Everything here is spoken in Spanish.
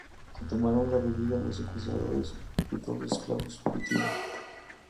Se tomaron la bebida los secuestradores y todos los esclavos fugitivos.